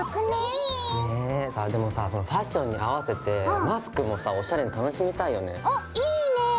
ねでもさファッションに合わせてマスクもさおしゃれに楽しみたいよね。